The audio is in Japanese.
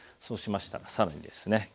そうしましたら更にですね